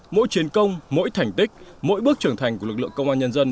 mỗi chiến công mỗi thành tích mỗi bước trưởng thành của lực lượng công an nhân dân